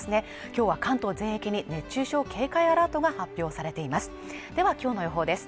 今日は関東全域に熱中症警戒アラートが発表されていますではきょうの予報です